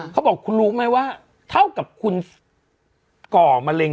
เขาบอกคุณรู้ไหมว่าเท่ากับคุณก่อมะเร็ง